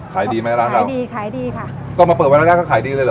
ขายดีไหมร้านเราขายดีขายดีค่ะก็มาเปิดวันแรกก็ขายดีเลยเห